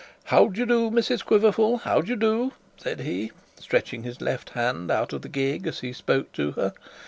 'How do you do, Mrs Quiverful? how do you do?' said he, stretching his left hand out of the gig, as he spoke to her.